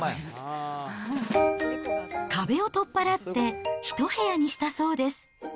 壁を取っ払って、１部屋にしたそうです。